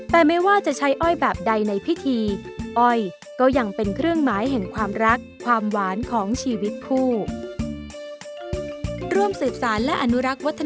แต่ไม่ว่าจะใช้อ้อยแบบใดในพิธีอ้อยก็ยังเป็นเครื่องหมายแห่งความรักความหวานของชีวิตคู่